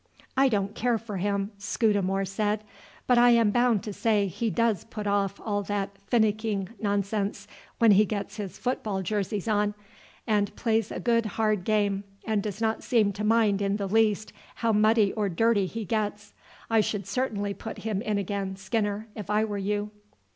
"I don't care for him," Scudamore said, "but I am bound to say he does put off all that finicking nonsense when he gets his football jersey on, and plays a good, hard game, and does not seem to mind in the least how muddy or dirty he gets. I should certainly put him in again, Skinner, if I were you."